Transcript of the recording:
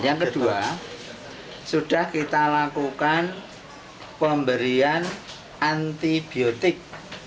yang kedua sudah kita lakukan pemberian antibiotik